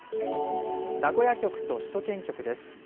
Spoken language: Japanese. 名古屋局と首都圏局です。